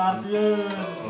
pelajaran muda sangat lama